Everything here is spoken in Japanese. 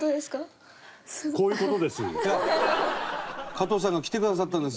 加藤さんが来てくださったんです